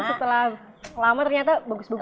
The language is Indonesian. setelah lama ternyata bagus bagus